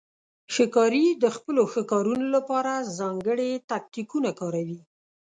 ښکاري د خپلو ښکارونو لپاره ځانګړي تاکتیکونه کاروي.